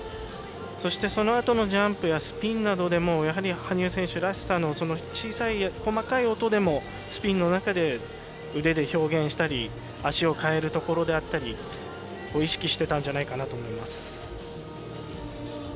そしてそのあとのジャンプやスピンなどでもやはり羽生選手らしさの小さい、細かい音でもスピンの中で、腕で表現したり足を換えるところであったり意識していたんじゃないかと思います。